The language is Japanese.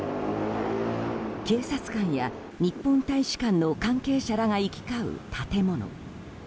警察官や日本大使館の関係者らが行き交う建物。